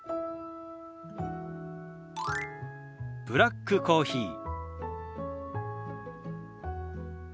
「ブラックコーヒー」。